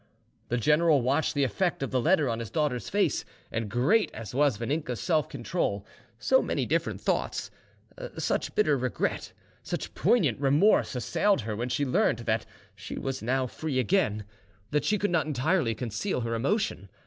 The general watched the effect of the letter on his daughter's face, and great as was Vaninka's self control, so many different thoughts, such bitter regret, such poignant remorse assailed her when she learnt that she was now free again, that she could not entirely conceal her emotion.